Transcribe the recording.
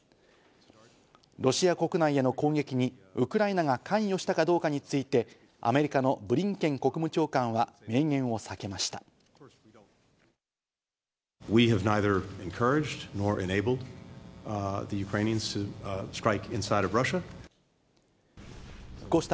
ロシア国内への攻撃にウクライナが関与したかどうかについて、アメリカのブリンケン国務長官は明言を避けました。